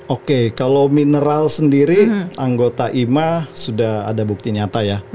oke kalau mineral sendiri anggota ima sudah ada bukti nyata ya